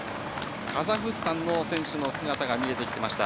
カザフスタンの選手の姿が見えてきました。